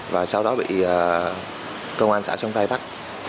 và sau đó bị công an xã sông tay bắt